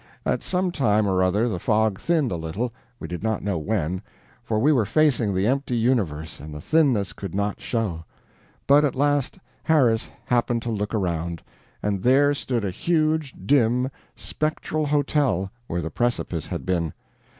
At some time or other the fog thinned a little; we did not know when, for we were facing the empty universe and the thinness could not show; but at last Harris happened to look around, and there stood a huge, dim, spectral hotel where the precipice had been.